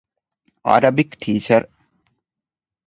ޢަރަބިކް ޓީޗަރ